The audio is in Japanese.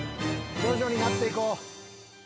徐々になっていこう。